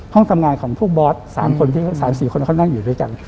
ห้องทำงานของผู้บอส๓๔คนเขานั่งอยู่ด้วยกัน